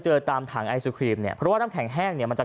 ตามถังไอศครีมเนี่ยเพราะว่าน้ำแข็งแห้งเนี่ยมันจะ